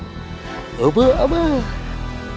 kita harus mencari